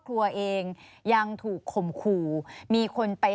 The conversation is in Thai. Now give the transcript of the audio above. สวัสดีครับ